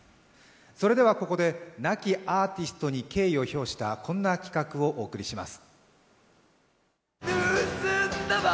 それではここで亡きアーティストに敬意を表したこんな企画をお送りします。